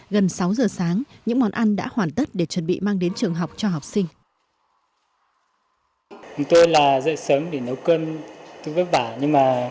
gần sáu giờ sáng những món ăn đã hoàn tất để chuẩn bị mang đến trường học cho học sinh